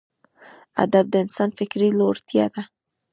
ادب د انسان فکري لوړتیا ده.